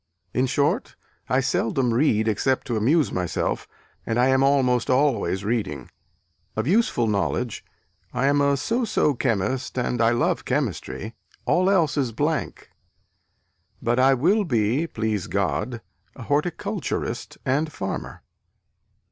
In short, I seldom read except to amuse myself, and I am almost always reading. Of useful knowledge, I am a so so chemist, and I love chemistry all else is blank but I will be (please God) a horticulturist and farmer."